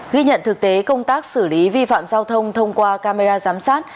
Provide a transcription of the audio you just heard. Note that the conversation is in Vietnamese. ghi nhận thực tế công tác xử lý vi phạm giao thông thông qua camera giám sát